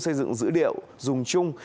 xây dựng dữ liệu dùng chung